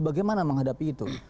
bagaimana menghadapi itu